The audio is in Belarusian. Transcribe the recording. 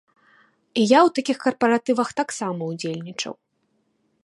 І я ў такіх карпаратывах таксама ўдзельнічаў.